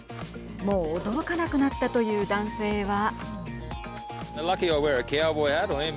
もう驚かなくなったという男性は。